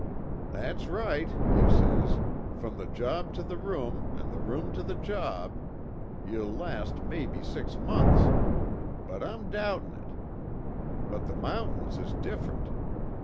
"'That's right,' you says, 'From the job to the room, an' the room to the job, ye'll last maybe six months but I'm doubtin' it. But the mountains is different.'